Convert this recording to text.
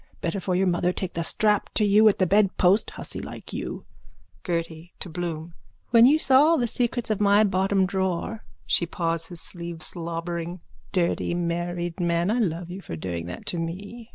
Better for your mother take the strap to you at the bedpost, hussy like you. GERTY: (To Bloom.) When you saw all the secrets of my bottom drawer. (She paws his sleeve, slobbering.) Dirty married man! I love you for doing that to me.